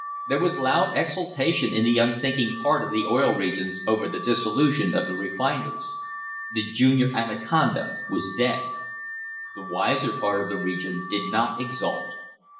There was loud exultation in the unthinking part of the Oil Regions over the dissolution of the refiners. The "Junior Anaconda" was dead. The wiser part of the region did not exult.